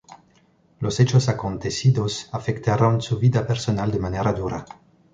Los hechos acontecidos afectaron su vida personal de manera dura.